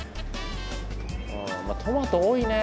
ああトマト多いね。